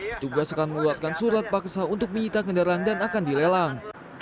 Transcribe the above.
petugas akan mengeluarkan surat paksa untuk menyita kendaraan dan akan dilelang